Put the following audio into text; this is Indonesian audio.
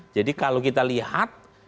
jadi kalau kita lihat